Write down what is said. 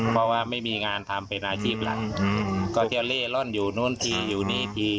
เพราะว่าไม่มีงานทำเป็นอาชีพหลักก็จะเล่ร่อนอยู่นู้นทีอยู่นี่ที